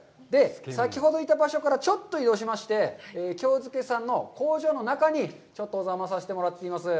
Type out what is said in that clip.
先ほどいた場所からちょっと移動しまして、ＫＹＯＺＵＫＥさんの工場の中にちょっとお邪魔させていただいてます。